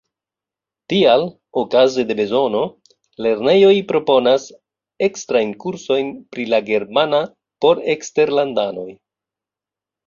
Tial, okaze de bezono, lernejoj proponas ekstrajn kursojn pri la germana por eksterlandanoj.